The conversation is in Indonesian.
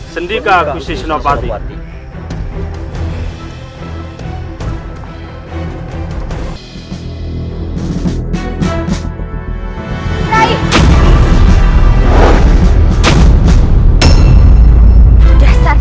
sendirikah gusti sinopati